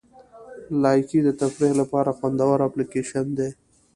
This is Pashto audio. لایکي د تفریح لپاره خوندوره اپلیکیشن دی.